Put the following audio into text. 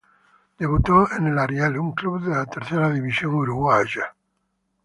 Debutó en el Ariel, un club de la tercera división uruguaya.